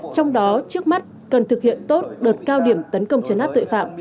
trong đó trước mắt cần thực hiện tốt đợt cao điểm tấn công chấn át tuệ phạm